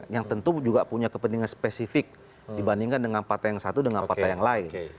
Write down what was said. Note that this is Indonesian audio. yang tentu juga punya kepentingan spesifik dibandingkan dengan partai yang satu dengan partai yang lain